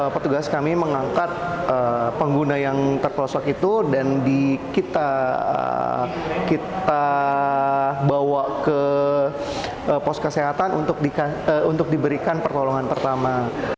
petugas kami mengangkat pengguna yang terperosok itu dan kita bawa ke pos kesehatan untuk diberikan pertolongan pertama